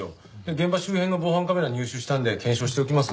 現場周辺の防犯カメラを入手したので検証しておきます。